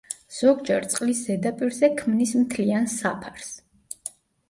ზოგჯერ წყლის ზედაპირზე ქმნის მთლიან საფარს.